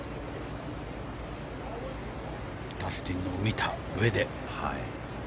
ダスティンを見たうえで。